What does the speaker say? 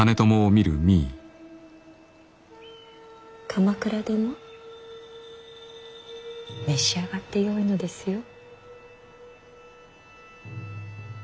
鎌倉殿召し上がってよいのですよ。